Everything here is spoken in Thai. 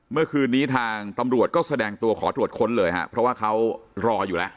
เมื่อคืนนี้ทางตำรวจก็แสดงตัวขอตรวจค้นเลยฮะเพราะว่าเขารออยู่แล้ว